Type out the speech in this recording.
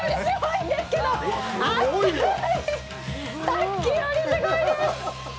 さっきよりすごいです！